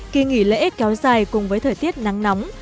kỳ nghỉ lễ kéo dài cùng với thời tiết nắng nóng